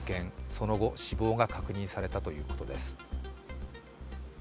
その後、死亡が確認されたとうことです。